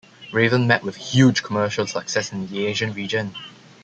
Raven met with huge commercial success in the Asian region.